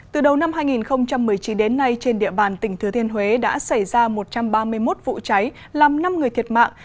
từ đầu năm hai nghìn một mươi chín đến nay trên địa bàn tỉnh thừa thiên huế đã xảy ra một trăm ba mươi một vụ cháy làm năm người thiệt mạng